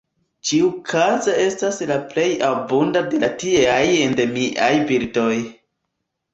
Ĉiukaze estas la plej abunda de la tieaj endemiaj birdoj.